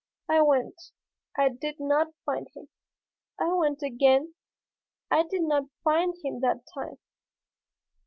I went I did not find him. I went again. I did not find him that time.